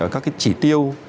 các cái chỉ tiêu